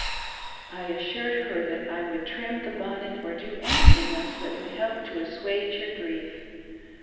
' I assured her that I would trim the bonnet or do anything else that would help to assuage her grief.